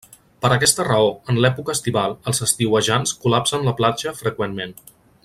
Per aquesta raó, en l'època estival, els estiuejants col·lapsen la platja freqüentment.